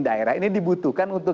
daerah ini dibutuhkan untuk